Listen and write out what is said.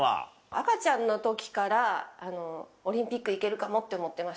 赤ちゃんの時からオリンピック行けるかもって思ってました。